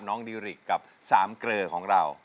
น้องดิริกกับสามเกลอของเรา